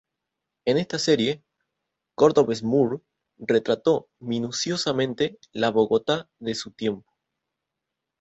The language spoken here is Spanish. En esta serie, Cordovez Moure retrató minuciosamente la Bogotá de su tiempo.